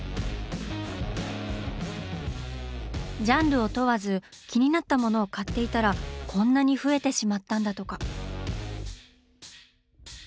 ジャンルを問わず気になったものを買っていたらこんなに増えてしまったんだとか。